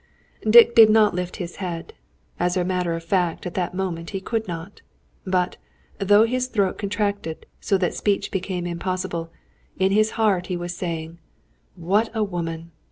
Dick did not lift his head. As a matter of fact, at that moment he could not. But, though his throat contracted, so that speech became impossible, in his heart he was saying: "What a woman!